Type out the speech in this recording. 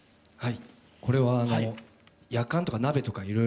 はい。